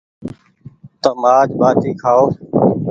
تم آج ٻآٽي کآيو ۔